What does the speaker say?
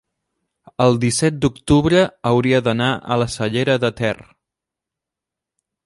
el disset d'octubre hauria d'anar a la Cellera de Ter.